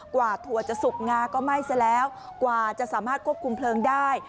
ถั่วจะสุกงาก็ไหม้ซะแล้วกว่าจะสามารถควบคุมเพลิงได้